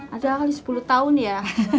ada kali sepuluh tahun ya